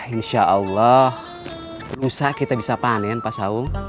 insya allah rusak kita bisa panen pak saul